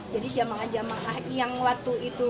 jadi jamaah jamaah yang waktu itu